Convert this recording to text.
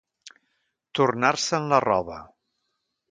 Tornar-se'n la roba.